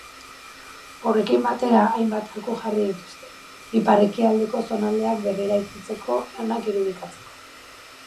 Horrekin batera, hainbat arku jarri dituzte, ipar-ekialdeko zonaldeak berreraikitzeko lanak irudikatzeko.